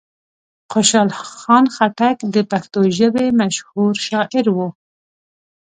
خوشحال خان خټک د پښتو ژبې مشهور شاعر و.